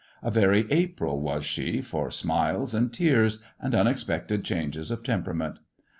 A very April was she for smiles and tears, and unexpected changes of temper ament.